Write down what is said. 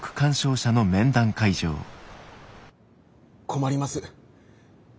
困ります。